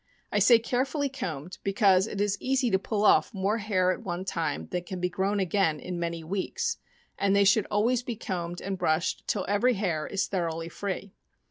I say carefully combed, because it is easy to pull off more hair at one time than can be grown again in many weeks, and they should always be combed and brushed till every hair is thoroughly free.